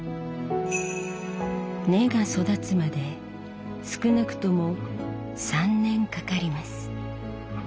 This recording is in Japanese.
根が育つまで少なくとも３年かかります。